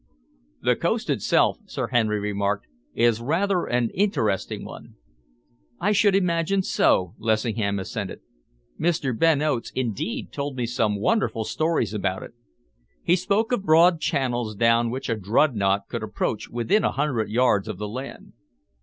"The coast itself," Sir Henry remarked, "is rather an interesting one." "I should imagine so," Lessingham assented. "Mr. Ben Oates, indeed, told me some wonderful stories about it. He spoke of broad channels down which a dreadnought could approach within a hundred yards of the land."